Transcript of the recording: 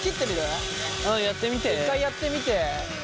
うんやってみて。